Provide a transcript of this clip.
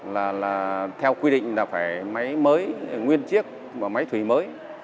là theo quy định là phải máy mới nguyên chiếc và máy thủy mới